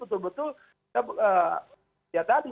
itu ya tadi